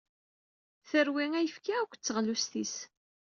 Terwi ayefki akked teɣlust-is.